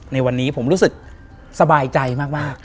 ในวันนี้ผมรู้สึกสบายใจมาก